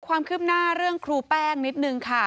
ความคืบหน้าเรื่องครูแป้งนิดนึงค่ะ